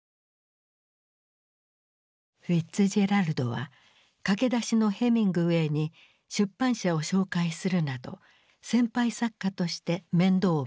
フィッツジェラルドは駆け出しのヘミングウェイに出版社を紹介するなど先輩作家として面倒を見ていた。